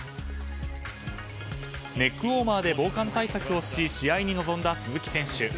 ネックウォーマーで防寒対策をし試合に臨んだ鈴木選手。